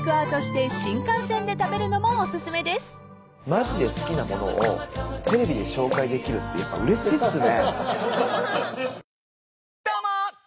マジで好きな物をテレビで紹介できるってやっぱうれしいっすね。